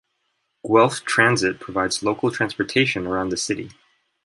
Guelph Transit provides local transportation around the city.